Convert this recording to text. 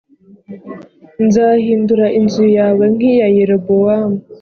nzahindura inzu yawe nk iya yerobowamu